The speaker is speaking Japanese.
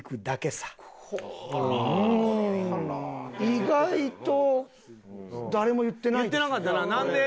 意外と誰も言ってないですね。